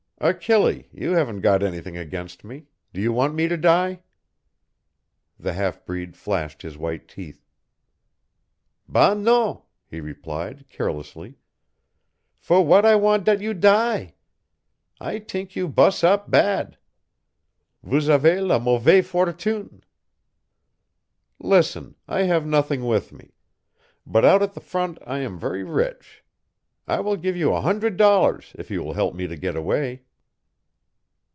"Achille, you haven't anything against me do you want me to die?" The half breed flashed his white teeth. "Bâ non," he replied, carelessly. "For w'at I want dat you die? I t'ink you bus' up bad; vous avez la mauvaise fortune." "Listen. I have nothing with me; but out at the front I am very rich. I will give you a hundred dollars, if you will help me to get away."